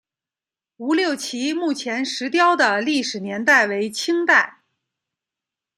吴六奇墓前石雕的历史年代为清代。